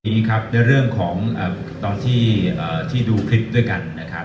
ในเรื่องของตอนที่ดูคลิปด้วยกันนะครับ